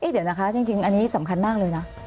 เดี๋ยวนะคะจริงอันนี้สำคัญมากเลยนะ